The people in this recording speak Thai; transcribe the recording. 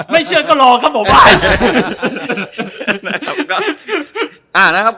ไม่เชื่อก็รอครับผม